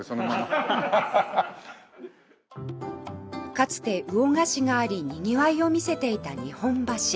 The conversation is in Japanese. かつて魚河岸がありにぎわいを見せていた日本橋